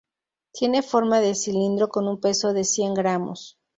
Tiene forma de cilindro con un peso de cien gramos.